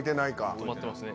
止まってますね。